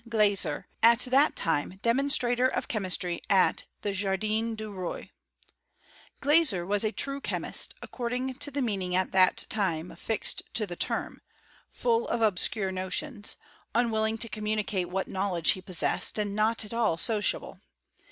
Glaser, at that time demonstrator of chemistry at the Jardin du Roi; Glaser was a true chemist, according to the mean ing at that time affixed to the term — full of obscure notions — unwilling to communicate what knowledge he possessed — and not at all sociable.